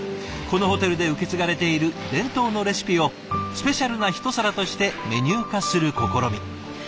このホテルで受け継がれている伝統のレシピをスペシャルなひと皿としてメニュー化する試み。